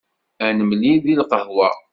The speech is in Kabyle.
Ad nemlil deg lqahwa!